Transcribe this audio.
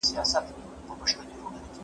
که خلګ کتابونه ولولي فکري فقر به ختم سي.